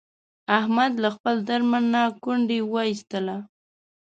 احمد له خپل درمند نه ګونډی و ایستلا.